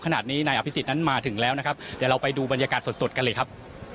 ขณะนี้นายอภิษฎนั้นมาถึงแล้วนะครับเดี๋ยวเราไปดูบรรยากาศสดกันเลยครับ